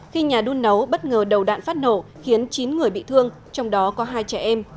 khi nhà đun nấu bất ngờ đầu đạn phát nổ khiến chín người bị thương trong đó có hai trẻ em